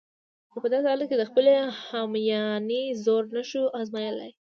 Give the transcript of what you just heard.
نو په داسې حالت کې د خپلې همیانۍ زور نشو آزمایلای.